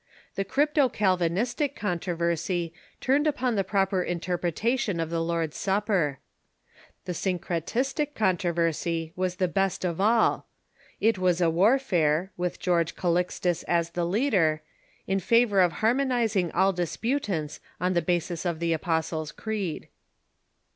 The Crypto Ccdvinistic Controversy turned upon the proper interpretation of the Lord's Supper. The Syncretistic Controversy was the best of all. It was a warfare, with George Calixtus as the leader, in favor of harmonizing all disputants on the basis of the Apostles' Creed.